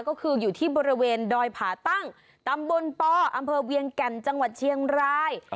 ก็คืออยู่ที่บริเวณดอยผาตั้งตำบลปอำเภอเวียงแก่นจังหวัดเชียงราย